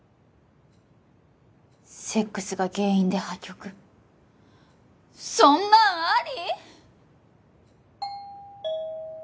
セックスが原因で破局そんなんあり？